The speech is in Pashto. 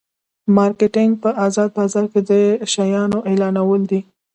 مارکیټینګ په ازاد بازار کې د شیانو اعلانول دي.